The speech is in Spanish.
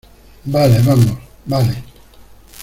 vale, vamos. vale .